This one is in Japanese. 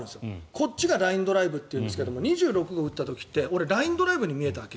こっちがラインドライブっていうんですが２６号を打った時って、俺はラインドライブに見えたわけ。